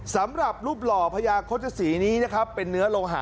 สำหรับรูปหล่อพญาโฆษศรีนี้นะครับเป็นเนื้อโลหะ